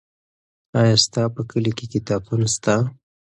آیا ستا په کلي کې کتابتون سته؟